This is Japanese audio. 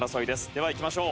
ではいきましょう。